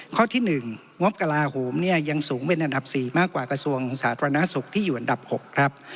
ข้อที่หนึ่งงบกลาหูมเนี้ยยังสูงเป็นดับสี่มากกว่ากระทรวงสาธารณสุขที่อยู่อันดับหกครับ